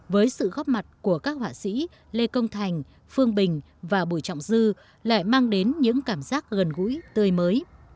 với sự góp mặt của các họa sĩ lê công thành phương bình và bùi trọng dư lại mang đến những cảm giác gần gũi tươi mới